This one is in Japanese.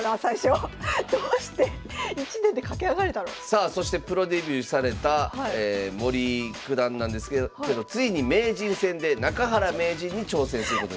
さあそしてプロデビューされた森九段なんですけどついに名人戦で中原名人に挑戦することになります。